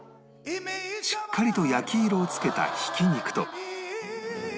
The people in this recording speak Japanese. しっかりと焼き色を付けたひき肉と